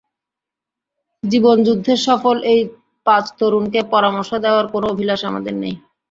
জীবনযুদ্ধে সফল এই পাঁচ তরুণকে পরামর্শ দেওয়ার কোনো অভিলাষ আমাদের নেই।